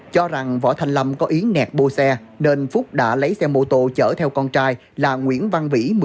cho rằng võ thanh lâm có ý nẹt bô xe nên phúc đã lấy xe mô tô chở theo con trai là nguyễn văn vĩ